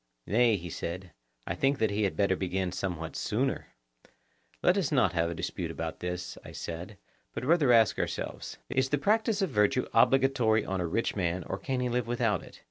Nay, he said, I think that he had better begin somewhat sooner. Let us not have a dispute with him about this, I said; but rather ask ourselves: Is the practice of virtue obligatory on the rich man, or can he live without it?